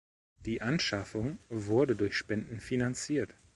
Die Anschaffung wurde durch Spenden finanziert.